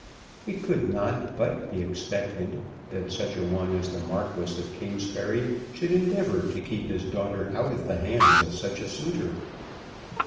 It could not but be expected that such a one as the Marquis of Kingsbury should endeavour to keep his daughter out of the hands of such a suitor.